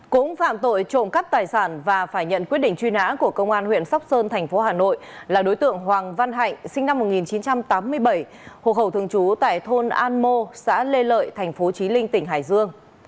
cũng phạm tội trộm cắp tài sản và phải nhận quyết định truy nã của công an huyện sóc sơn thành phố hà nội là đối tượng hoàng văn hạnh sinh năm một nghìn chín trăm tám mươi bảy hộ khẩu thường trú tại thôn an mô xã lê lợi thành phố trí linh tỉnh hải dương